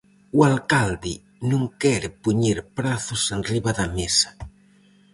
O alcalde non quere poñer prazos enriba da mesa.